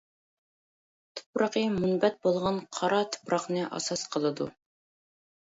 تۇپرىقى مۇنبەت بولغان قارا تۇپراقنى ئاساس قىلىدۇ.